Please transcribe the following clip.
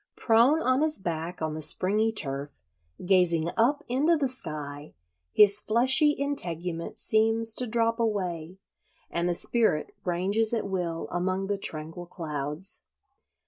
Prone on his back on the springy turf, gazing up into the sky, his fleshy integument seems to drop away, and the spirit ranges at will among the tranquil clouds.